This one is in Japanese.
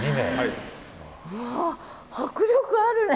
うわ迫力あるね。